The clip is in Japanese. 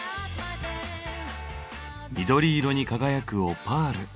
緑色に輝くオパール。